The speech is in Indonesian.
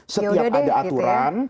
setiap ada aturan